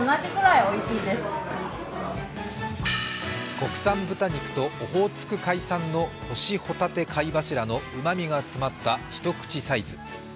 国産豚肉とオホーツク海産の干しほたて貝柱のうまみが詰まった一口サイズ。